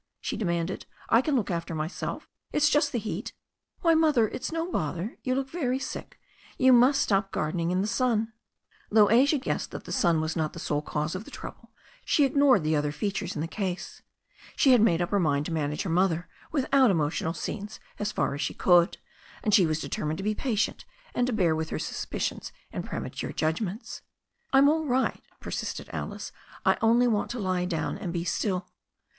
she de* manded. "I can look after myself. It's just the heat." "Why, Mother, it's no bother. You look very sick. You must stop gardening in the sun." Though Asia guessed that the sun was not the sole cause of the trouble, she ignored the other features in the case. She had made up her mind to manage her mother without emotional scenes as far as she could, and she was determined to be patient and ta bear with her suspicions and premature judgments. "I'm all right," persisted Alice. "I only want to lie dowQ. and be still."